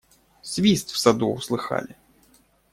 Свист в саду услыхали.